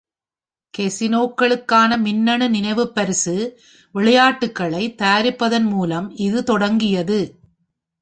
கேசினோக்களுக்கான மின்னணு நினைவுப் பரிசு விளையாட்டுகளைத் தயாரிப்பதன் மூலம் இது தொடங்கியது.